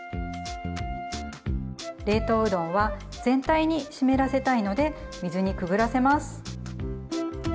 冷凍うどんは全体に湿らせたいので水にくぐらせます。